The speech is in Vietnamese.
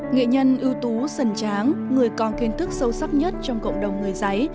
nghệ nhân ưu tú sần tráng người còn kiến thức sâu sắc nhất trong cộng đồng người giấy